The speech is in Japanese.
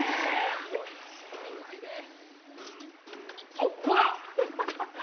あっ、うま！